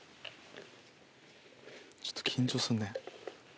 ちょっと緊張するね。